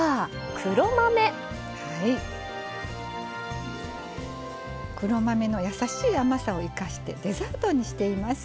黒豆のやさしい甘さを生かしてデザートにしています。